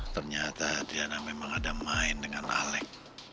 ternyata diana memang ada main dengan alec